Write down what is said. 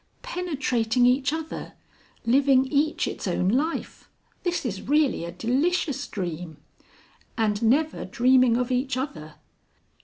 "Penetrating each other, living each its own life. This is really a delicious dream!" "And never dreaming of each other."